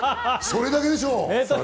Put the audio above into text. それだけでしょう。